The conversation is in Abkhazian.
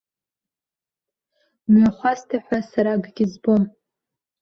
Мҩахәасҭа ҳәа сара акгьы збом.